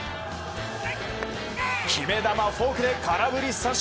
決め球フォークで空振り三振。